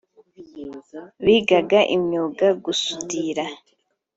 bigaga imyuga gusudira